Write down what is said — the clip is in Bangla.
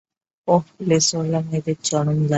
ওহ, লেসওয়ালা মেয়েদের চরম লাগে।